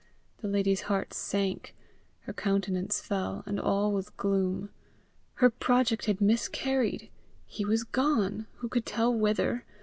The lady's heart sank, her countenance fell, and all was gloom: her project had miscarried! he was gone! who could tell whither?